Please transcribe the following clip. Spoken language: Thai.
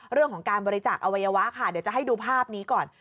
เรื่องของการบริจาคอวัยวะค่ะเดี๋ยวจะให้ดูภาพนี้ก่อน